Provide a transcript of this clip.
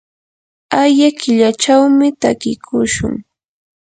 aya killachawmi takiykushun.